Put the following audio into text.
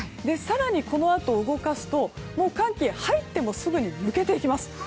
更にこのあと、動かすと寒気が入ってもすぐに抜けていきます。